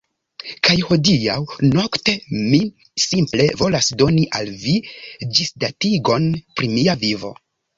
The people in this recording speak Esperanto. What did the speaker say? Kaj hodiaŭ nokte mi simple volas doni al vi, ĝisdatigon pri mia vivo